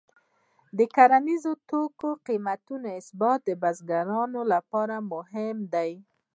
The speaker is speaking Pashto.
د کرنیزو توکو د قیمتونو ثبات د بزګرانو لپاره مهم دی.